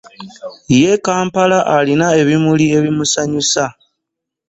Yye Kamapala alina ebimuli ebimusanyusa ,